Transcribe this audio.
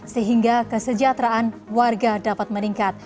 sehingga kesejahteraan warga dapat meningkat